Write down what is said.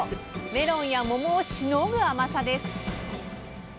メロンや桃をしのぐ甘さです。